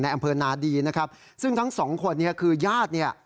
อำเภอนาดีนะครับซึ่งทั้งสองคนเนี่ยคือญาติเนี่ย